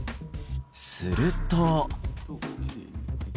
すると。